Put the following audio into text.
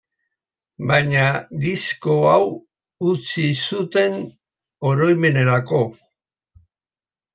Baina disko hau utzi zuten oroimenerako.